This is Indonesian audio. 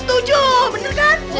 setuju bener kan